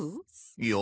いや。